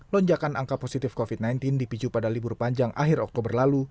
lonjakan angka positif covid sembilan belas dipicu pada libur panjang akhir oktober lalu